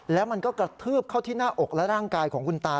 แล้วมันก็กระทืบเข้าที่หน้าอกและร่างกายของคุณตา